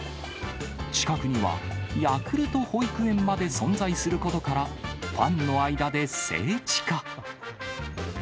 近くにはヤクルト保育園まで存在することから、ファンの間で聖地化。